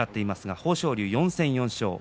豊昇龍４戦４勝です。